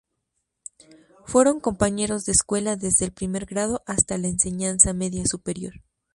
Fueron compañeros de escuela desde el primer grado hasta la enseñanza media superior.